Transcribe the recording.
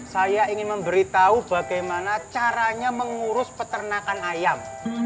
saya ingin memberitahu bagaimana caranya mengurus peternakan ayam